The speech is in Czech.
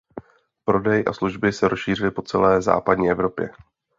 Prodej a služby se rozšířily po celé západní Evropě.